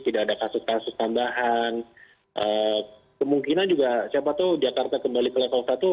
tidak ada kasus kasus tambahan kemungkinan juga siapa tahu jakarta kembali ke level satu